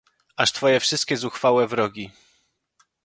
aż Twoje wszystkie zuchwałe wrogi,